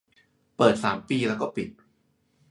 เปิดสามปีแล้วก็ปิด